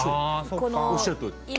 おっしゃるとおり。